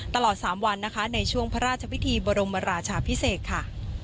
ตลอด๓วันนะคะในช่วงพระราชพิธีบรมราชาพิเศษค่ะ